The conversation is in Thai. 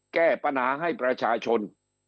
แก้ปัญหาให้ประชาชน